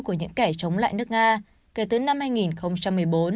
của những kẻ chống lại nước nga kể từ năm hai nghìn một mươi bốn